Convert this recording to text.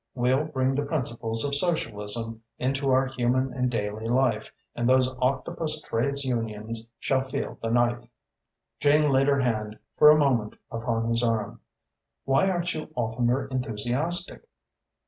We'll bring the principles of socialism into our human and daily life and those octopus trades unions shall feel the knife." Jane laid her hand for a moment upon his arm. "Why aren't you oftener enthusiastic?"